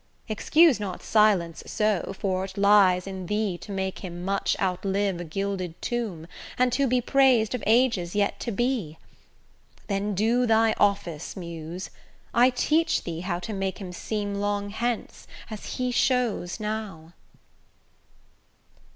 Excuse not silence so, for't lies in thee To make him much outlive a gilded tomb And to be prais'd of ages yet to be. Then do thy office, Muse; I teach thee how To make him seem long hence as he shows now.